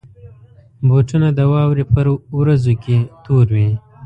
بوټونه د واورې پر ورځو کې تور وي.